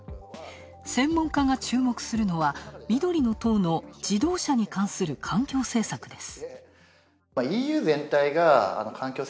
専門家が注目するのは緑の党の自動車に関する環境政策です。